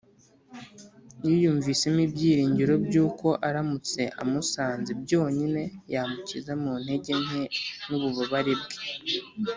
yiyumvisemo ibyiringiro by’uko aramutse amusanze byonyine yamukiza mu ntege nke n’ububabare bwe,